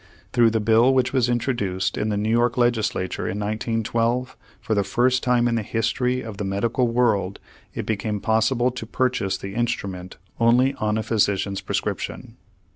Through the bill which was introduced in the New York legislature in 1912, for the first time in the history of the medical world it became possible to purchase this instrument only on a physician's prescription.